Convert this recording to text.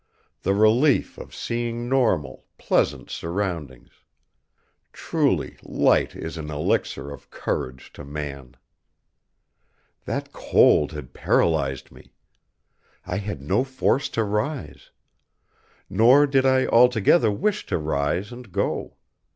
The relief of seeing normal, pleasant surroundings! Truly light is an elixir of courage to man. That cold had paralyzed me. I had no force to rise. Nor did I altogether wish to rise and go.